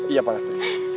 iya pak lastri